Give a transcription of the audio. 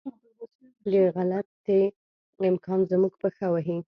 د غلطي امکان زموږ پښه وهي.